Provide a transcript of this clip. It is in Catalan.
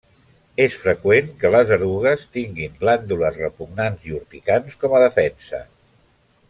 És freqüent que les erugues tinguin glàndules repugnants i urticants com a defensa.